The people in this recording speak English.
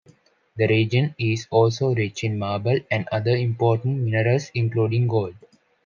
The region is also rich in marble, and other important minerals, including gold.